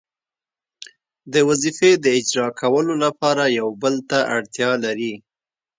د وظیفې د اجرا کولو لپاره یو بل ته اړتیا لري.